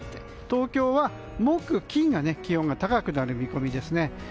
東京は木、金が気温が高くなる見込みですね。